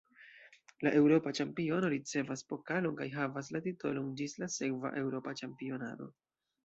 La eŭropa ĉampiono ricevas pokalon kaj havas la titolon ĝis la sekva eŭropa ĉampionado.